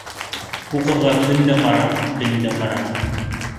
Һуҡырға көн дә ҡараңғы, төн дә ҡараңғы.